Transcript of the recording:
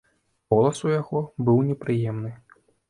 Голас у яго быў непрыемны.